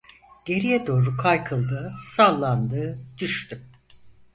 Geriye doğru kaykıldı, sallandı, düştü...